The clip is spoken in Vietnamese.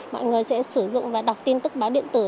mọi người sẽ sử dụng và đọc tin tức báo điện tử